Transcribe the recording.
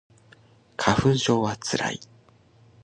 花粉症はつらい